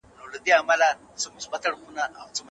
هغه به د تندې له امله د اوبو غوښتنه کوله.